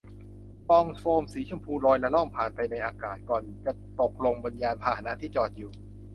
ฟองโฟมสีชมพูล่อยละล่องผ่านไปในอากาศ ก่อนจะตกลงบนยานพาหนะที่จอดอยู่